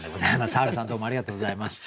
Ｈａｒｕさんどうもありがとうございました。